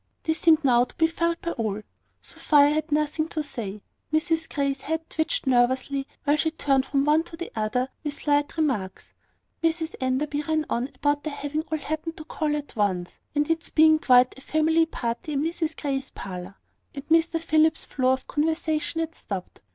This seemed now to be felt by all. Sophia had nothing to say: Mrs Grey's head twitched nervously, while she turned from one to another with slight remarks: Mrs Enderby ran on about their having all happened to call at once, and its being quite a family party in Mrs Grey's parlour; and Mr Philip's flow of conversation had stopped.